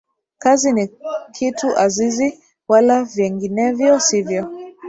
Kazi ni kitu azizi, wala vyenginevyo sivyo